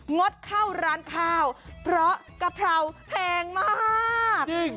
งดเข้าร้านข้าวเพราะกะเพราแพงมาก